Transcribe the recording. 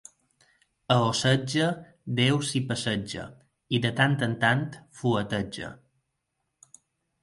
A Oceja, Déu s'hi passeja i, de tant en tant, fueteja.